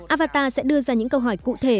avatar sẽ đưa ra những câu hỏi cụ thể